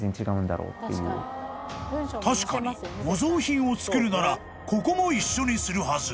［確かに模造品をつくるならここも一緒にするはず］